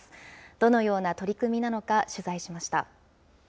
どのような取り組みなのか、取材しました。